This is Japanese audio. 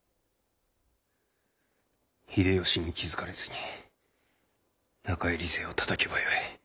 秀吉に気付かれずに中入り勢をたたけばよい。